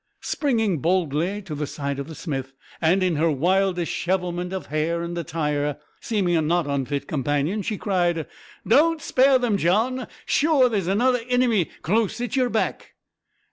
Springing boldly to the side of the smith, and, in her wild dishevelment of hair and attire, seeming a not unfit companion, she cried "Don't spare them, John! sure there's another inimy close at yer back."